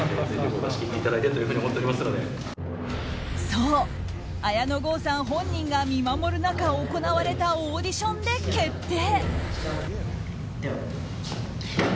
そう、綾野剛さん本人が見守る中行われたオーディションで決定！